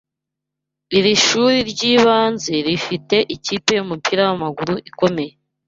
Iri shuri ryibanze rifite ikipe yumupira wamaguru ikomeye.